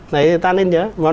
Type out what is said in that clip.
đấy ta nên nhớ